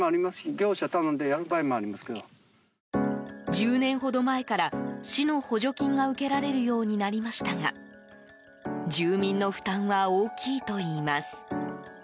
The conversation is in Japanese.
１０年ほど前から市の補助金が受けられるようになりましたが住民の負担は大きいといいます。